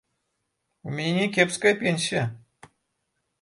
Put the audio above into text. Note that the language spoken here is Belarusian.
У мяне някепская пенсія.